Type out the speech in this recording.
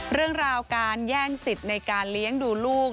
เรื่องราวการแย่งสิทธิ์ในการเลี้ยงดูลูก